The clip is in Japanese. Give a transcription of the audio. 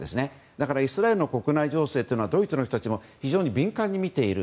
だからイスラエルの国内情勢はドイツの人たちも非常に敏感に見ている。